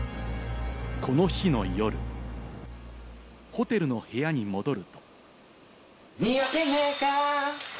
この日の夜、ホテルの部屋に戻り。